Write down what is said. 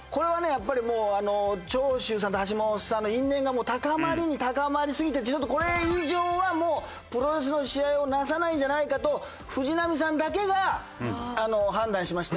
やっぱりもう長州さんと橋本さんの因縁が高まりに高まりすぎてちょっとこれ以上はもうプロレスの試合をなさないんじゃないかと藤波さんだけが判断しまして。